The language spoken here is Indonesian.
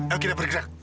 oke kita bergerak